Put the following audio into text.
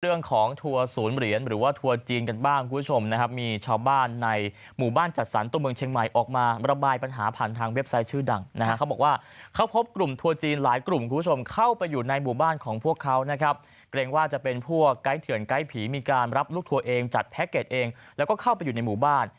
เรื่องของทัวร์ศูนย์เหรียญหรือว่าทัวร์จีนกันบ้างคุณผู้ชมนะครับมีชาวบ้านในหมู่บ้านจัดสรรตัวเมืองเชียงใหม่ออกมาระบายปัญหาผ่านทางเว็บไซต์ชื่อดังนะฮะเขาบอกว่าเขาพบกลุ่มทัวร์จีนหลายกลุ่มคุณผู้ชมเข้าไปอยู่ในหมู่บ้านของพวกเขานะครับเกรงว่าจะเป็นพวกไกล่เถื่อนไกล่ผีมีการรับลู